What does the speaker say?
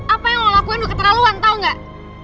apa yang lo lakuin udah keterlaluan tau gak